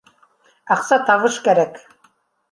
Аҡса, табыш кәрәк